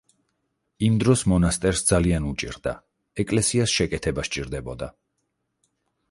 იმ დროს მონასტერს ძალიან უჭირდა, ეკლესიას შეკეთება სჭირდებოდა.